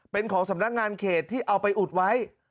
เป็นของสำนักงานเขตที่เอาไปอุดไว้